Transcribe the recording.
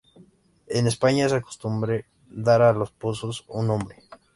En España, es costumbre dar a los pozos un nombre.